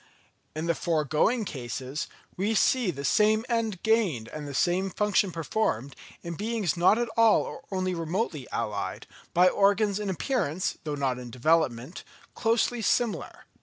In the foregoing cases, we see the same end gained and the same function performed, in beings not at all or only remotely allied, by organs in appearance, though not in development, closely similar.